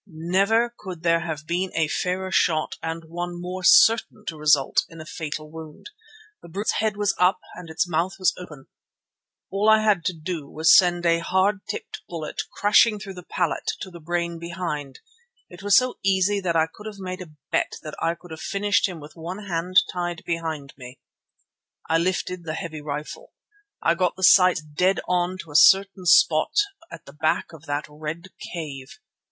Never could there have been a fairer shot and one more certain to result in a fatal wound. The brute's head was up and its mouth was open. All I had to do was to send a hard tipped bullet crashing through the palate to the brain behind. It was so easy that I would have made a bet that I could have finished him with one hand tied behind me. I lifted the heavy rifle. I got the sights dead on to a certain spot at the back of that red cave.